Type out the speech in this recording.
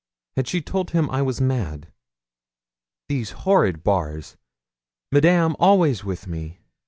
Had she told him I was mad? These horrid bars! Madame always with me!